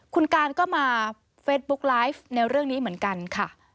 คุณการก็มาเฟสบุ๊กไลฟ์ในเรื่องนี้เหมือนกันค่ะ